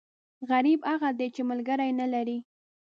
غریب هغه دی، چې ملکری نه لري.